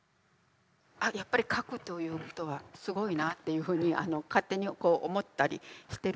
あやっぱり書くということはすごいなというふうに勝手に思ったりしてるんですけど。